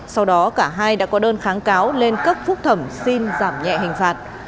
sau đó cả hai đã có đơn kháng cáo lên cấp phúc thẩm xin giảm nhẹ hình phạt